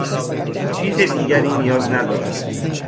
چیز دیگری نیاز ندارم.